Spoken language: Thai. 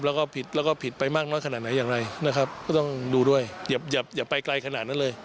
แล้วก็ผิดแล้วก็ผิดไปมากน้อยขนาดไหนอย่างไรนะครับก็ต้องดูด้วยอย่าไปไกลขนาดนั้นเลย